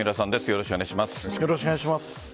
よろしくお願いします。